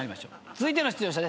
続いての出場者です。